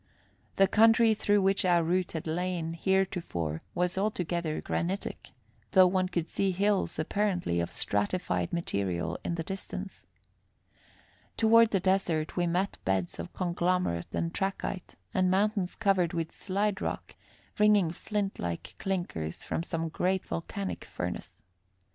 The country through which our route had lain heretofore was altogether granitic, though one could see hills apparently of stratified material in the distance. Toward the desert, we met beds of conglomerate and trachyte, and mountains covered with slide rock, ringing flint like clinkers from some great volcanic furnace.